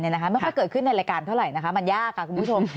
ไม่ค่อยเกิดขึ้นในรายการเท่าไหร่นะคะมันยากค่ะคุณผู้ชม